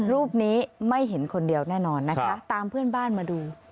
รูปนี้ไม่เห็นคนเดียวแน่นอนนะคะตามเพื่อนบ้านมาดู